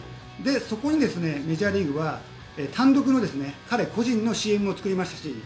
そこにメジャーリーグは単独の彼個人のＣＭを作りましたし